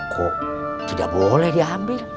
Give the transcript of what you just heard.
kok tidak boleh diambil